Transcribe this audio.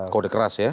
kode keras ya